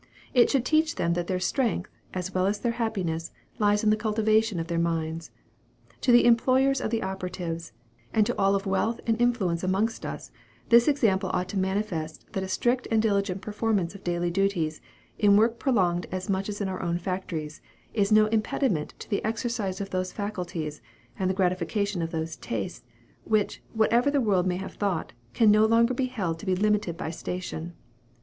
It should teach them that their strength, as well as their happiness, lies in the cultivation of their minds. To the employers of operatives, and to all of wealth and influence amongst us, this example ought to manifest that a strict and diligent performance of daily duties, in work prolonged as much as in our own factories, is no impediment to the exercise of those faculties, and the gratification of those tastes, which, whatever the world may have thought, can no longer be held to be limited by station.